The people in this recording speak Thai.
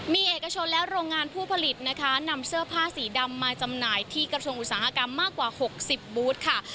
มีเอกชนและโรงงานผู้ผลิตนะคะนำเสื้อผ้าสีดำมาจำหน่ายที่กระทรวงอุตสาหกรรมมากกว่า๖๐บูธค่ะ